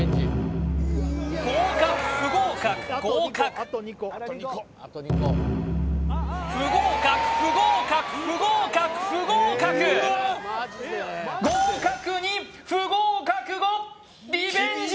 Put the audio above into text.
合格不合格合格不合格不合格不合格不合格合格２不合格５リベンジ